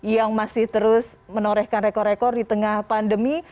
yang masih terus menorehkan rekor rekor di tengah pandemi